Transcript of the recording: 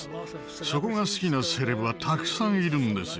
そこが好きなセレブはたくさんいるんですよ。